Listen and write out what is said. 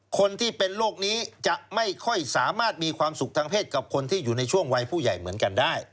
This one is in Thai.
คนที่เป็นโรคนี้จะไม่ค่อยสามารถมีความสุขทางเพศกับคนที่อยู่ในช่วงวัยผู้ใหญ่เหมือนกันได้